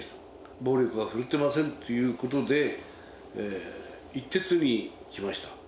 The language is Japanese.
暴力は振るってませんということで、一徹にきました。